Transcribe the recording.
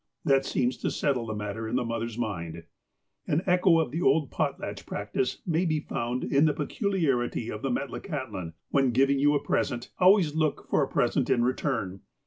That seems to settle the matter in the mother's mind. An echo of the old potlatch practice may be found in the peculiarity of the Metlakatlan, when giving you a present, always looking for a present in retui'u.